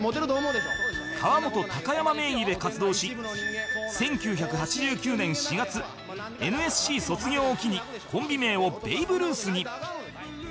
河本・高山名義で活動し１９８９年４月 ＮＳＣ 卒業を機にコンビ名をベイブルースに